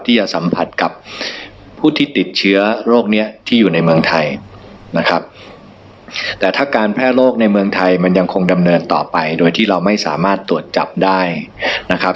ที่จะสัมผัสกับผู้ที่ติดเชื้อโรคเนี้ยที่อยู่ในเมืองไทยนะครับแต่ถ้าการแพร่โรคในเมืองไทยมันยังคงดำเนินต่อไปโดยที่เราไม่สามารถตรวจจับได้นะครับ